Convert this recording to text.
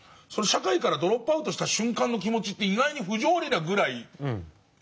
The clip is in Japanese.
社会からドロップアウトした瞬間の気持ちって意外に不条理なぐらい。